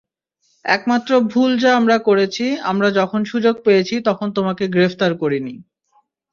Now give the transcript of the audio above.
একমাত্র ভুল যা আমরা করেছি আমরা যখন সুযোগ পেয়েছি তখন তোমাকে গ্রেফতার করিনি।